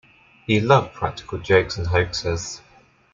He loved practical jokes and hoaxes.